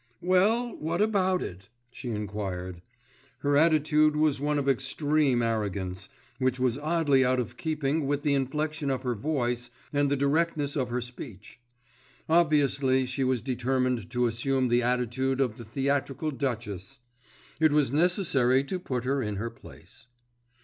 "Well, what about it?" she enquired. Her attitude was one of extreme arrogance, which was oddly out of keeping with the inflection of her voice and the directness of her speech. Obviously she was determined to assume the attitude of the theatrical duchess. It was necessary to put her in her place.